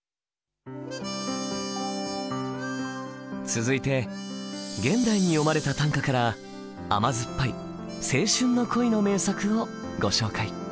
続いて現代に詠まれた短歌から甘酸っぱい「青春の恋」の名作をご紹介。